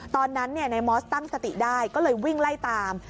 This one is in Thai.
ตอนนั้นนายมอสตั้งสติได้ก็เลยวิ่งไล่ตาม